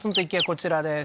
こちらです